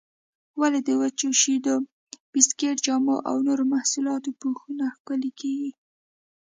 ولې د وچو شیدو، بسکېټ، جامو او نورو محصولاتو پوښونه ښکلي کېږي؟